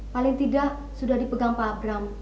paling tidak sudah dipegang pak abraham